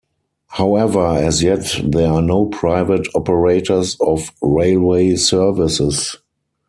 However, as yet there are no private operators of railway services.